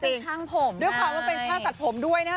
เพราะเป็นช่างผมด้วยความเป็นช่างสัดผมด้วยนะคะ